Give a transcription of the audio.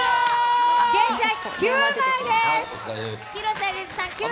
現在９枚です。